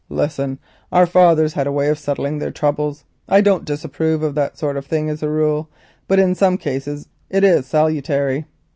Listen, our fathers had a way of settling their troubles; I don't approve of that sort of thing as a rule, but in some cases it is salutary.